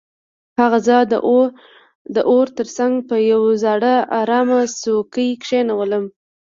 هغه زه د اور تر څنګ په یو زاړه ارامه څوکۍ کښینولم